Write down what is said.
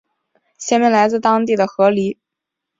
县名来自当地的河狸。